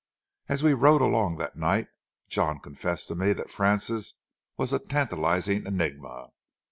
As we rode along that night, John confessed to me that Frances was a tantalizing enigma.